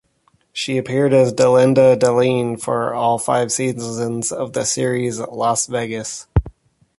She appeared as Delinda Deline, for all five seasons of the series "Las Vegas".